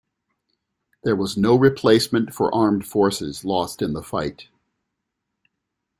There was no replacement for armed forces lost in the fight.